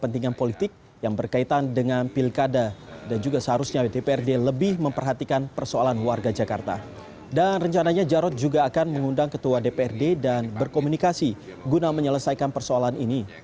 rencananya jarod juga akan mengundang ketua dprd dan berkomunikasi guna menyelesaikan persoalan ini